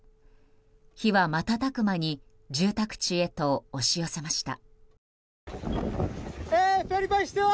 火は瞬く間に住宅地へと押し寄せました。